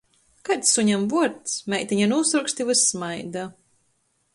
Kaids suņam vuords? Meitine nūsorkst i vys smaida.